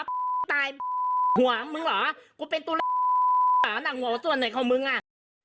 ตุ่นแล้วตายหัวมึงเหรอกูเป็นตุ่นหนังหัวส่วนหน่อยของมึงอ่ะ